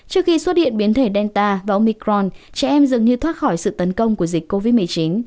trước khi xuất hiện biến thể delta và ông micron trẻ em dường như thoát khỏi sự tấn công của dịch covid một mươi chín